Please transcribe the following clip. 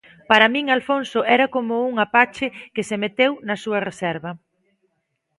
Para min Alfonso era coma un apache que se meteu na súa reserva.